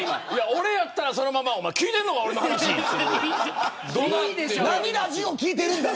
俺だったらそのまま聞いてんのか俺の話って言う。